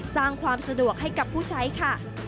สร้างความสะดวกให้กับผู้ใช้ค่ะ